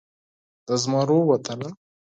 د زمرو وطنه